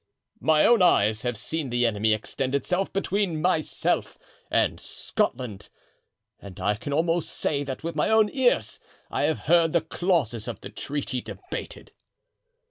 "My own eyes have seen the enemy extend itself between myself and Scotland; and I can almost say that with my own ears I have heard the clauses of the treaty debated."